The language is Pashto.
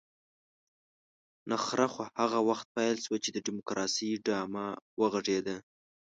نخره خو هغه وخت پيل شوه چې د ډيموکراسۍ ډمامه وغږېده.